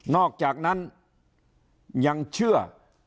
อกจากนั้นยังเชื่อ